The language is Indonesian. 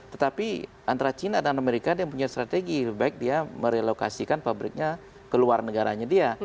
tetapi antara china dan amerika dia punya strategi lebih baik dia merelokasikan pabriknya ke luar negaranya dia